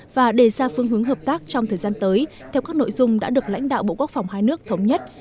và đề ra phương hướng hợp tác trong thời gian tới theo các nội dung đã được lãnh đạo bộ quốc phòng hai nước thống nhất